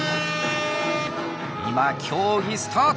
今競技スタート！